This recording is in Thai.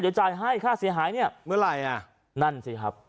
เดี๋ยวจ่ายให้ค่าเสียหายเนี่ยเมื่อไหร่อ่ะนั่นสิครับ